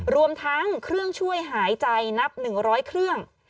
รวมทั้งเครื่องช่วยหายใจนับ๑๐๐เครื่อง